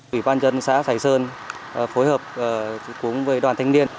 ủy ban dân xã sài sơn phối hợp cùng với đoàn thanh niên